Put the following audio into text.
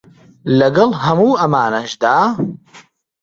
لەگەڵ هەموو ئەمانەشدا